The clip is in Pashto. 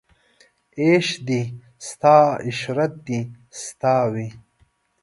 عیش دې ستا عشرت دې ستا وي